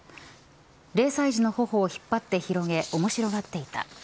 ０歳児の頬を引っ張って広げ面白がっていた。